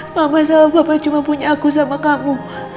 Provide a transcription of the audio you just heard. papa sama bapak cuma punya aku sama kamu